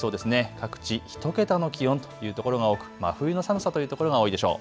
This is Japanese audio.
各地１桁の気温というところが多く真冬の寒さというところが多いでしょう。